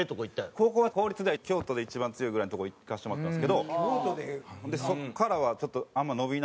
高校は公立では京都で一番強いぐらいのとこ行かせてもらったんですけどそこからはちょっと。